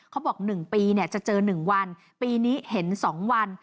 เขาบอก๑ปีจะเจอ๑วันปีนี้เห็น๒วัน